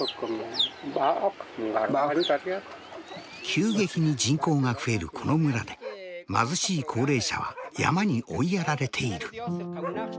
急激に人口が増えるこの村で貧しい高齢者は山に追いやられている。